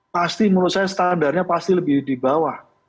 pasti menurut saya standarnya pasti lebih di bawah